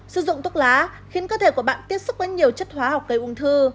sử dụng thuốc lá khiến cơ thể của bạn tiếp xúc với nhiều chất hóa hoặc cây ung thư